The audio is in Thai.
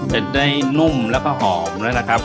จะได้นุ่มแล้วก็หอมด้วยนะครับ